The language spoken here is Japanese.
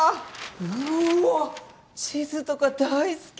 うーわ地図とか大好き！